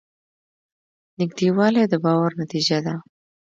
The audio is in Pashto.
نږدېوالی د باور نتیجه ده.